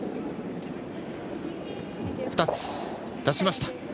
２つ出しました。